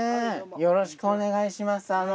よろしくお願いします。